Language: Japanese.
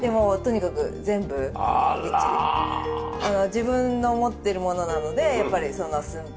自分の持ってるものなのでやっぱりその寸法